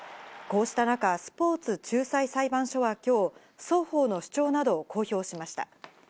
こうした中、スポーツ仲裁裁判所は今日、双方の主張などを公表しました。